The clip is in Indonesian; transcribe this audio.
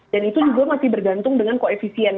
dan itu juga masih bergantung dengan koefisien